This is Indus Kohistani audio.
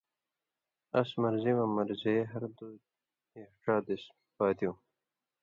اَس مرضی مہ مریضے ہر دُو یا ڇا دېس پاتیُوں